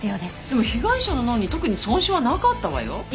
でも被害者の脳に特に損傷はなかったわよ。